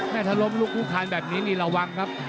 เมื่อธรรมลุกภูคันแบบนี้นี่ระวังครับ